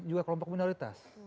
ada juga kelompok minoritas